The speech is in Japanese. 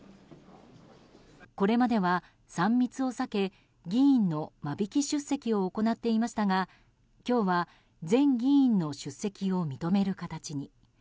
これまでは３密を避け議員の間引き出席を行っていましたが、今日は全議員の出席を認める形に。